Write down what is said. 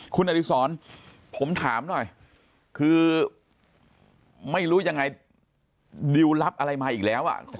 คุณอดิษรผมถามหน่อยคือไม่รู้ยังไงดิวรับอะไรมาอีกแล้วอ่ะ